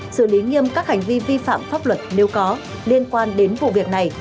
xử lý nghiêm các hành vi vi phạm pháp luật nếu có liên quan đến vụ việc này